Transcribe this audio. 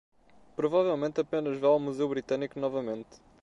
Provavelmente apenas vá ao Museu Britânico novamente